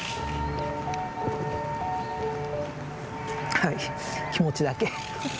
はい気持ちだけ。